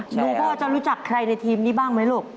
หนูพ่อจะรู้จักใครในทีมนี้บ้างไหมลูก